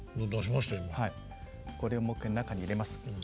これをもう一回中に入れます。